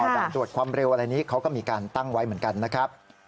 ด่านตรวจความเร็วอะไรนี้เขาก็มีการตั้งไว้เหมือนกันนะครับ